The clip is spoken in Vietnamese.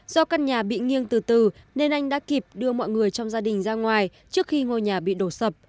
do căn nhà bị nghiêng từ từ nên anh đã kịp đưa mọi người trong gia đình ra ngoài trước khi ngôi nhà bị đổ sập